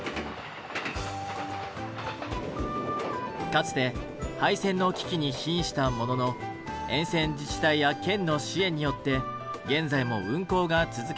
かつて廃線の危機に瀕したものの沿線自治体や県の支援によって現在も運行が続けられています。